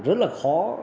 rất là khó